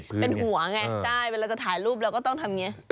ใช่เวลาจะถ่ายรูปเราก็ต้องทำอย่างนี้